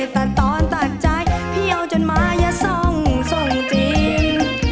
ตัดตอนตัดใจเพี่ยวจนไม่ส่องส่งจิ้ม